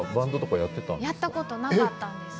やったことなかったんですよ。